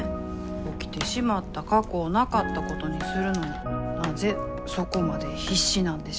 起きてしまった過去をなかったことにするのになぜそこまで必死なんでしょう。